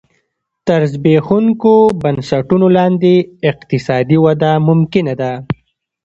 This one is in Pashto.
تر زبېښونکو بنسټونو لاندې اقتصادي وده ممکنه ده